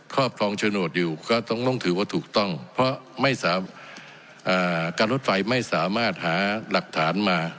ก็ต้องร่องถือว่าถูกต้องเพราะการรถไฟไม่สามารถหาหลักฐานมา